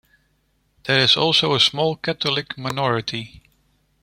There is also a small Catholic minority.